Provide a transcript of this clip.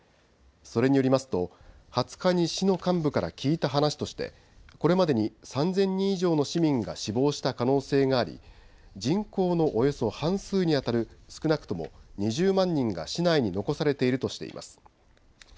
それによりますと２０日に市の幹部から聞いた話としてこれまでに３０００人以上の市民が死亡した可能性があり人口のおよそ半数にあたる少なくとも２０万人が市内に残されているとしています。